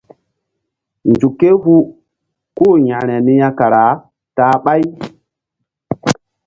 Nzuk ké hu kú-u yȩkre niya kara ta-a ɓáy.